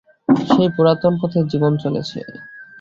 সেই পুরাতন পথেই জীবন চলেছে।